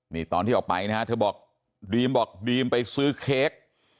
นี่ตอนที่ออกไปนะฮะเธอบอกดรีมบอกดีมไปซื้อเค้ก